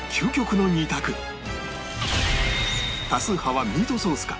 多数派はミートソースか？